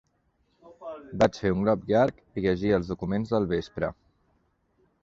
Vaig fer un glop llarg, i llegia els documents del vespre.